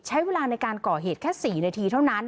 ใช้เวลาในการก่อเหตุแค่๔นาทีเท่านั้น